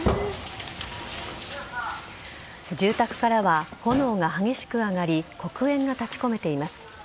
住宅からは炎が激しく上がり黒煙が立ち込めています。